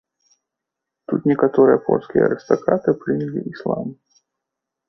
Тут некаторыя польскія арыстакраты прынялі іслам.